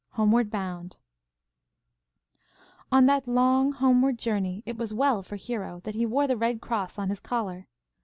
HOMEWARD BOUND On that long, homeward journey it was well for Hero that he wore the Red Cross on his collar.